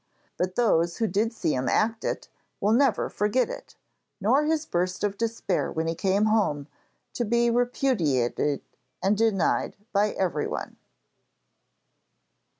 But those who did see him act it will never forget it, nor his burst of despair when he came home, to be repudiated and denied by everyone.